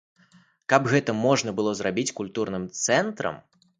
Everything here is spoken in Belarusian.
Каб гэта можна было зрабіць культурным цэнтрам.